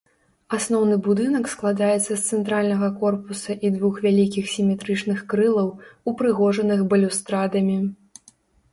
Асноўны будынак складаецца з цэнтральнага корпуса і двух вялікіх сіметрычных крылаў, упрыгожаных балюстрадамі.